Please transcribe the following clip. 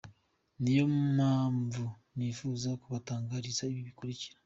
Ni yo mpamvu nifuza kubatangariza ibi bikurikira :